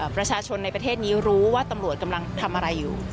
ประชาชนในประเทศนี้รู้ว่าตำรวจกำลังทำอะไรอยู่